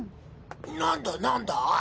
なんだなんだ？